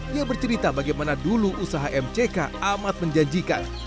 dia bercerita bagaimana dulu usaha mck amat menjanjikan